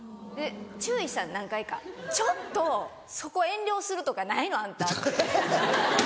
注意した何回か「ちょっとそこ遠慮するとかないの？あんた」。